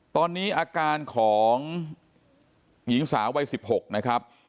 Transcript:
ตอนนี้อาการของหญิงสาววัย๑๖นะครับ